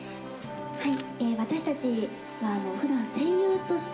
はい。